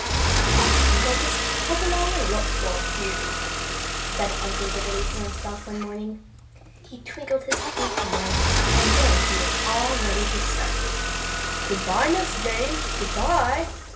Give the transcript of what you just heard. "I think I'll just hop along and look for a few," said Uncle Wiggily to himself one morning. He twinkled his pink nose, and then he was all ready to start. "Good bye, Nurse Jane! Good bye!"